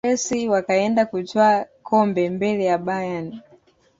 chelsea wakaenda kutwaa kombe mbele ya bayern